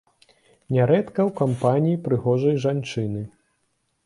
Нярэдка ў кампаніі прыгожай жанчыны.